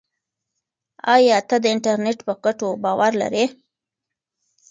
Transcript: ایا ته د انټرنیټ په ګټو باور لرې؟